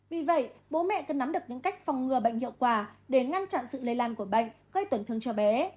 vì vậy bố mẹ cần nắm được những cách phòng ngừa bệnh hiệu quả để ngăn chặn sự lây lan của bệnh gây tổn thương cho bé